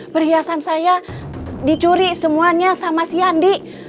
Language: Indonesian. perhiasan saya dicuri semuanya sama si andi